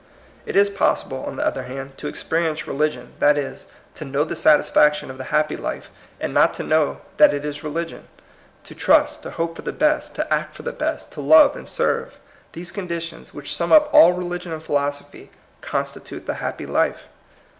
It is possible, on the other hand, to experience religion, that is, to know the satisfaction of the happy life, and not to know that it is religion. To trust, to hope for the best, to act for the best, to love and serve, — these conditions, which sum up all religion and philosophy, constitute the happy life.